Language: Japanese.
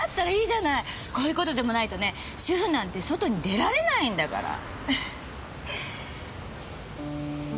こういう事でもないとね主婦なんて外に出られないんだから！